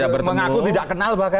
mengaku tidak kenal bahkan